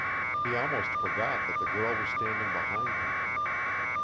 He almost forgot that the girl was standing behind him.